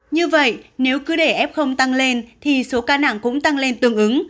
như vậy nếu cứ để f tăng lên thì số ca nặng cũng tăng lên tương ứng